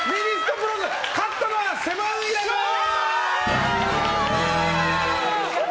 勝ったのはセブン‐イレブン！